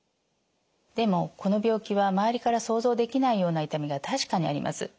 でもこの病気は周りから想像できないような痛みが確かにあります。